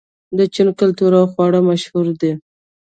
د چین کلتور او خواړه مشهور دي.